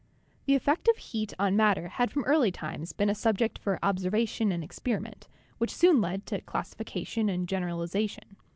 The effect of heat on matter had from early times been a subject for observation and experiment, which soon led to classification and generalization.